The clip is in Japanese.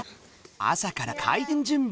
朝から開店準備。